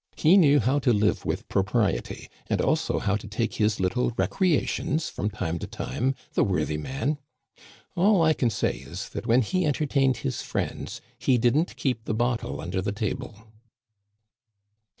He knew how to live with propriety, and also how to take his little recrea tions from time to time, the worthy man ! All I can say is, that when he entertained his friends he didn't keep the bottle under the table."